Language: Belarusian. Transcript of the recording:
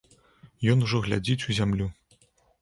Ён ужо глядзіць у зямлю.